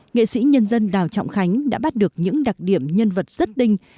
nghệ sĩ nhân dân đào trọng khánh đã bắt được những đặc điểm nhân vật rất đinh